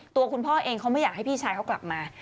ตัวคุณพ่อเองเขาไม่อยากให้พี่ชายเขากลับมา